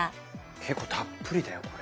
結構たっぷりだよこれ。